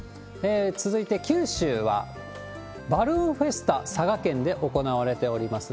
続いて、九州は、バルーンフェスタ、佐賀県で行われております。